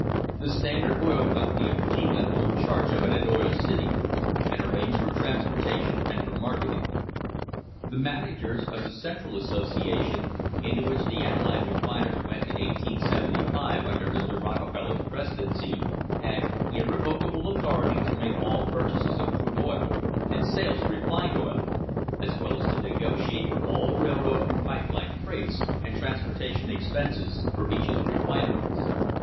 The Standard Oil Company of Cleveland took charge of it at Oil City, and arranged for transportation and for marketing. The managers of the Central Association, into which the allied refiners went in 1875 under Mr. Rocke feller's presidency, had "irrevocable authority to make all purchases of crude oil and sales of refined oil," as well as to "negotiate for all railroad and pipe line freights and trans portation expenses" for each of the refineries.